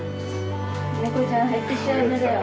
猫ちゃん入ってきちゃダメだよ。